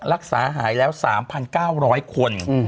รักษาหายแล้ว๓๙๐๐คน